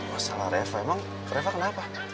masalah reva emang reva kenapa